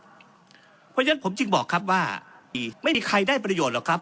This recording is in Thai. เพราะฉะนั้นผมจึงบอกครับว่าไม่มีใครได้ประโยชน์หรอกครับ